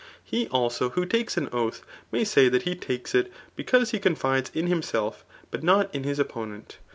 He also who tsdtes an: oath may say that he takes it, because he coxk* fides in himself, but not in his opponent.